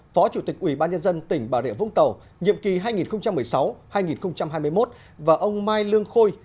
phó chủ tịch ủy ban nhân dân tỉnh bà rịa vũng tàu nhiệm kỳ hai nghìn một mươi sáu hai nghìn hai mươi một và ông mai lương khôi